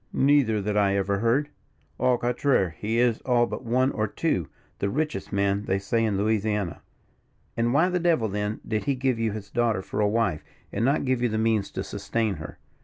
"Neither, that I ever heard. Au contraire, he is, all but one or two, the richest man they say in Louisiana." "And why the devil, then, did he give you his daughter for a wife, and not give you the means to sustain her."